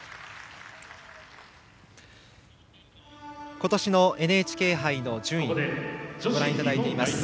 今年のＮＨＫ杯の順位をご覧いただいています。